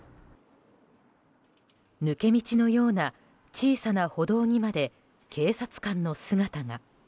抜け道のような小さな歩道にまで警察官の姿が。